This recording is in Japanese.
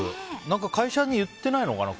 何か、会社に言ってないのかな。